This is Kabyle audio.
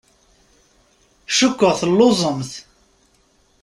Cukkeɣ telluẓemt.